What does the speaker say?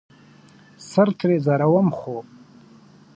سر ترې ځاروم ،خو